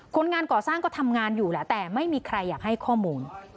คนงานก่อสร้างก็ทำงานอยู่แหละแต่ไม่มีใครอยากให้ข้อมูล